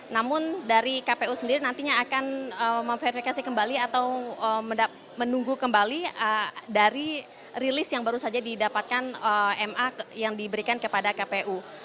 namun dari kpu sendiri nantinya akan memverifikasi kembali atau menunggu kembali dari rilis yang baru saja didapatkan ma yang diberikan kepada kpu